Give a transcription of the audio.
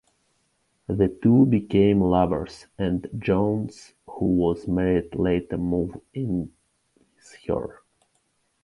The two became lovers, and Jones, who was married, later moved in with her.